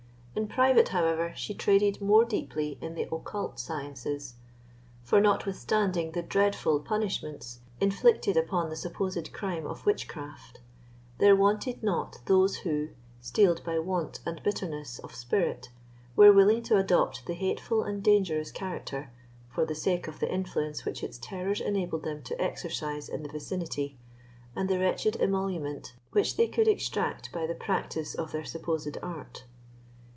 In private, however, she traded more deeply in the occult sciences; for, notwithstanding the dreadful punishments inflicted upon the supposed crime of witchcraft, there wanted not those who, steeled by want and bitterness of spirit, were willing to adopt the hateful and dangerous character, for the sake of the influence which its terrors enabled them to exercise in the vicinity, and the wretched emolument which they could extract by the practice of their supposed art.